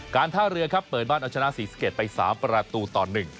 การท่าเรือครับเปิดบ้านเอาชนะ๔๗ไป๓ประตูต่อ๑